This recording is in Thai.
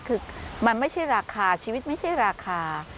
คือมันไม่ใช่ราคาชีวิตไม่ใช่ราคา